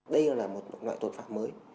đây là một loại tội phạm mới